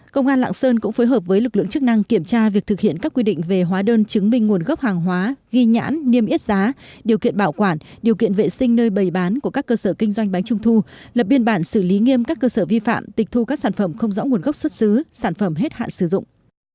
công an lạng sơn cũng phối hợp với lực lượng chức năng kiểm tra việc thực hiện các quy định về hóa đơn chứng minh nguồn gốc hàng hóa ghi nhãn niêm yết giá điều kiện bảo quản điều kiện vệ sinh nơi bày bán của các cơ sở kinh doanh bánh trung thu lập biên bản xử lý nghiêm các cơ sở vi phạm tịch thu các sản phẩm không rõ nguồn gốc xuất xứ sản phẩm hết hạn sử dụng